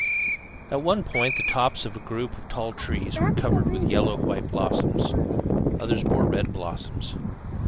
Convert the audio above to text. At one point the tops of a group of tall trees were covered with yellow white blossoms. Others bore red blossoms.